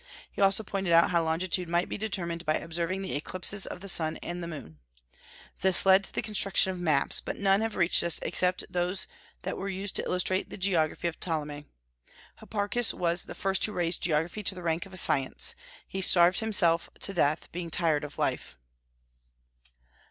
He also pointed out how longitude might be determined by observing the eclipses of the sun and moon. This led to the construction of maps; but none have reached us except those that were used to illustrate the geography of Ptolemy. Hipparchus was the first who raised geography to the rank of a science. He starved himself to death, being tired of life.